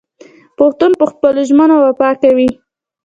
پښتون په خپلو ژمنو وفا کوي.